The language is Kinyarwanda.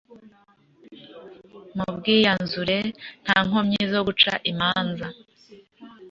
mubwianzure nta nkomyi, zo guca imanza